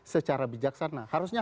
secara bijaksana harusnya